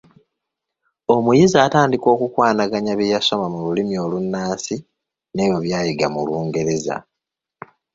Omuyizi atandika okukwanaganya bye yasoma mu lulimi olunnansi n’ebyo byayiga mu lungereza.